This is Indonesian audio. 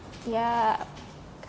itu mungkin baru ada ya